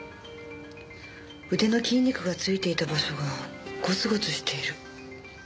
腕の筋肉が付いていた場所がごつごつしている。